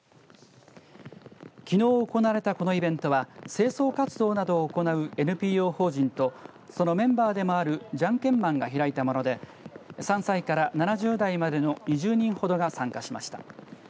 きのう行われたこのイベントは清掃活動などを行うＮＰＯ法人とそのメンバーでもあるじゃんけんマンが開いたもので３歳から７０代までの２０人ほどが参加しました。